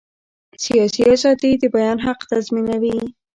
سیاسي ازادي د بیان حق تضمینوي